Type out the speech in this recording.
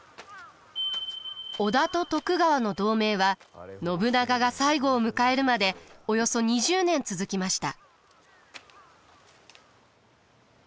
織田と徳川の同盟は信長が最期を迎えるまでおよそ２０年続きました。